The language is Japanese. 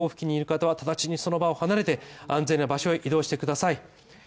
海岸近くや川の河口付近にいる方は直ちにその場を離れて安全な場所へ移動してください。